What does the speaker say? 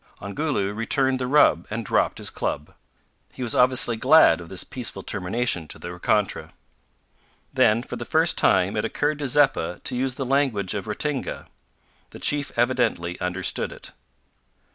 Ongoloo returned the rub, and dropped his club. He was obviously glad of this peaceful termination to the rencontre. Then, for the first time, it occurred to Zeppa to use the language of Ratinga. The chief evidently understood it.